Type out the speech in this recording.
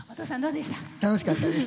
楽しかったです。